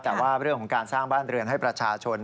แต่ว่าเรื่องของการสร้างบ้านเรือนให้ประชาชน